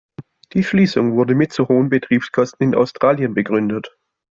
Die Schließung wurde mit zu hohen Betriebskosten in Australien begründet.